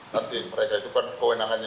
nanti mereka itu kan kewenangannya